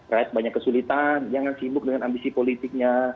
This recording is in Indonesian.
rakyat banyak kesulitan jangan sibuk dengan ambisi politiknya